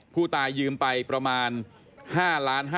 ผู้ตายยืมไปประมาณ๕๕๐๐